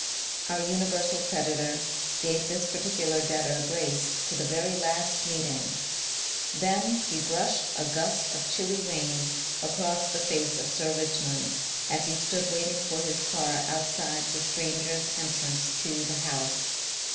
Our universal creditor gave this particular debtor grace to the very last meeting. Then he brushed a gust of chilly rain across the face of Sir Richmond as he stood waiting for his car outside the strangers' entrance to the House.